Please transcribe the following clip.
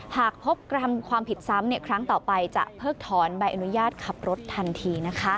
หากพบกระทำความผิดซ้ำครั้งต่อไปจะเพิกถอนใบอนุญาตขับรถทันที